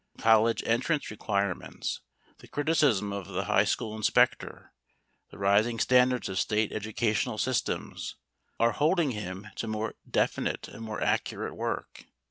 College entrance requirements, the criticism of the high school inspector, the rising standards of State educational systems, are holding him to more definite and more accurate work.